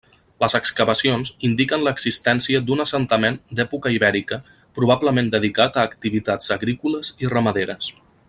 Les excavacions indiquen l'existència d'un assentament d'època ibèrica probablement dedicat a activitats agrícoles i ramaderes.